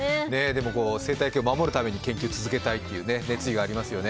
でも、生態系を守るために研究を続けたいという熱意がありますよね。